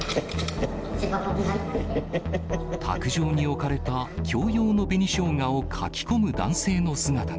卓上に置かれた共用の紅しょうがをかきこむ男性の姿が。